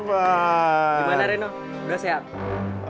gimana reno udah siap